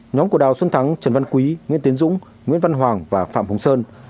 nhóm của đào xuân thắng trần văn quý nguyễn tiến dũng nguyễn văn hoàng và phạm hồng sơn